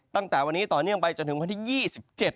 ตั้งแต่วันนี้ต่อเนื่องไปจนถึงวันที่๒๗